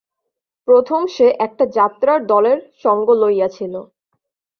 প্রথম সে একটা যাত্রার দলের সঙ্গ লইয়াছিল।